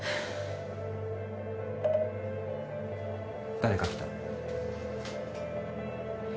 誰か来た。